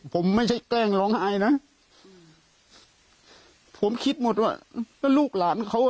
ผมไม่ใช่แกล้งร้องไห้นะผมคิดหมดว่าก็ลูกหลานเขาอ่ะ